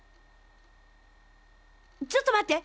ちょっと待って！